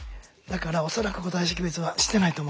だから恐らく個体識別はしてないと思います。